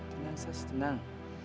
tenang ses tenang